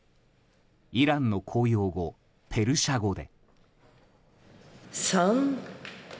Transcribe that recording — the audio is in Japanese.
イランの公用語ペルシャ語で。